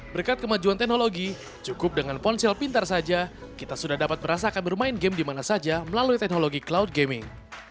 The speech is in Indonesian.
berkat kemajuan teknologi cukup dengan ponsel pintar saja kita sudah dapat merasakan bermain game di mana saja melalui teknologi cloud gaming